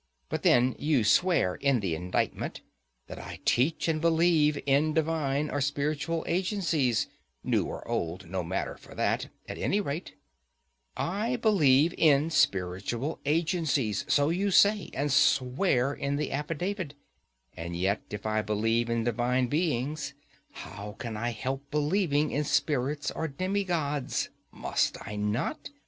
But then you swear in the indictment that I teach and believe in divine or spiritual agencies (new or old, no matter for that); at any rate, I believe in spiritual agencies,—so you say and swear in the affidavit; and yet if I believe in divine beings, how can I help believing in spirits or demigods;—must I not?